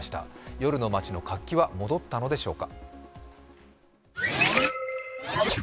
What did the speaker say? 夜の街の活気は戻ったのでしょうか。